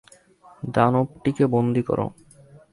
দানবটিকে বন্দী করো।